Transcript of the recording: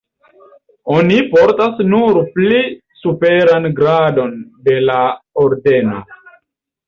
Oni portas nur pli superan gradon de la ordeno.